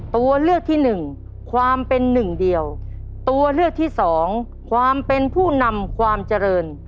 ตัวเลือกที่หนึ่งความเป็นหนึ่งเดียวตัวเลือกที่สองความเป็นผู้นำความเจริญ